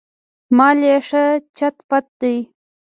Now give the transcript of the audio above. مال یې ښه چت پت دی.